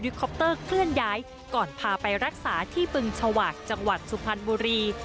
ที่ต้องใช้ไฮลิคอปเตอร์เคลื่อนย้ายก่อนพาไปรักษาที่บึงชาวาคจังหวัดสุพรรณบุรี